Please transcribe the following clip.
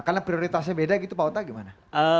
karena prioritasnya beda gitu pak ota gimana